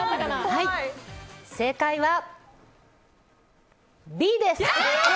正解はＢです！